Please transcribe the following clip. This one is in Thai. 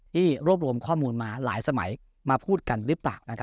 รวบรวมข้อมูลมาหลายสมัยมาพูดกันหรือเปล่า